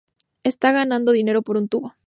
Está ganando dinero por un tubo